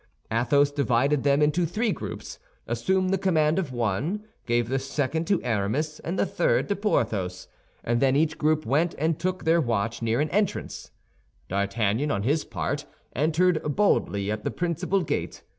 Athos divided them into three groups, assumed the command of one, gave the second to Aramis, and the third to Porthos; and then each group went and took their watch near an entrance. D'Artagnan, on his part, entered boldly at the principal gate.